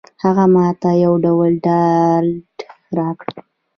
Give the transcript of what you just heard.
هغه ماته یو ډول ډاډ راکړ.